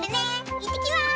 いってきます！